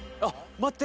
待って。